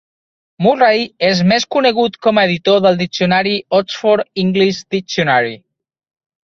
Murray és més conegut com a editor del diccionari "Oxford English Dictionary".